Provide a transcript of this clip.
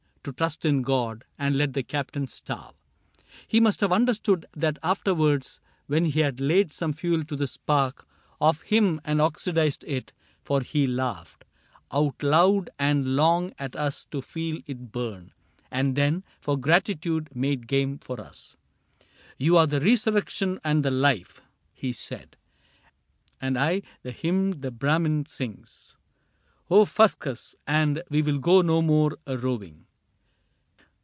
To trust in God, and let the Captain starve. He must have understood that afterwards — When we had laid some fuel to the spark Of him, and oxidized it — for he laughed Out loud and long at us to feel it burn. And then, for gratitude, made game of us :" You are the resurrection and the life," He said, ^^ and I the hymn the Brahmin sings ; O Fuscus ! and we '11 go no more a roving."